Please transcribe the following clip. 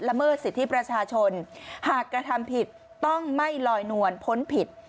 เมิดสิทธิประชาชนหากกระทำผิดต้องไม่ลอยนวลพ้นผิด